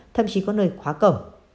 thậm chí có nơi khóa cổ